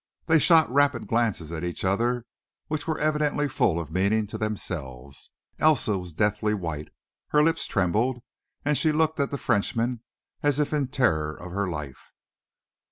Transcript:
They shot rapid glances at each other, which were evidently full of meaning to themselves. Elsa was deathly white, her lips trembled, and she looked at the Frenchman as if in terror of her life.